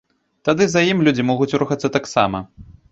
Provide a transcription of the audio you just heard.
Тады за ім людзі могуць рухацца таксама.